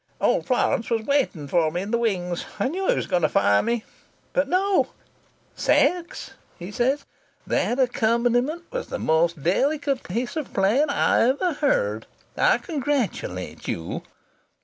Old Florance was waiting for me in the wings. I knew he was going to fire me. But no! 'Sachs,' he said, 'that accompaniment was the most delicate piece of playing I ever heard. I congratulate you.'